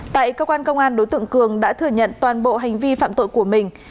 tại cơ quan công an đối tượng cường đã thừa nhận toàn bộ hành vi phạm tội của mình